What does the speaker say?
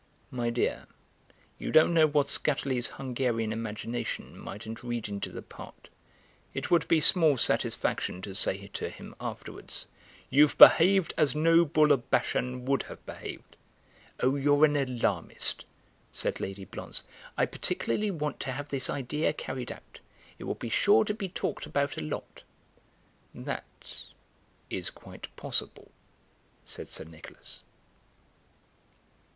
"My dear, you don't know what Skatterly's Hungarian imagination mightn't read into the part; it would be small satisfaction to say to him afterwards: 'You've behaved as no Bull of Bashan would have behaved.'" "Oh, you're an alarmist," said Lady Blonze; "I particularly want to have this idea carried out. It will be sure to be talked about a lot." "That is quite possible," said Sir Nicholas.